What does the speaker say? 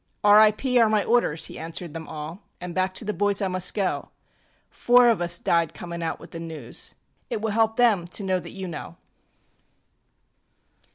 ŌĆśR. I. P. are my orders, ŌĆÖ he answered them all, ŌĆśAnŌĆÖ back to the boys I must go; Four of us died cominŌĆÖ out with the news. It will help them to know that you know.